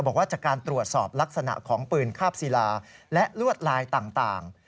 บอกว่าจากการตรวจสอบลักษณะของปืนคาบศิลาและลวดลายต่าง